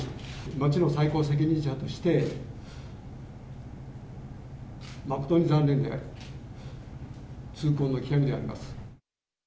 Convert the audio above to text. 町の最高責任者として、誠に残念であり、痛恨の極みであります。